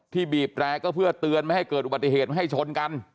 บีบแตรก็เพื่อเตือนไม่ให้เกิดอุบัติเหตุไม่ให้ชนกัน